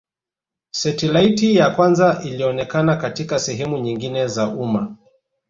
Setilaiti ya kwanza ilionekana katika sehemu nyingine za umma